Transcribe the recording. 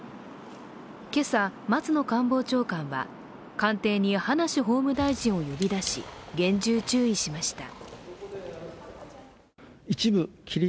今朝、松野官房長官は官邸に葉梨法務大臣を呼び出し厳重注意しました。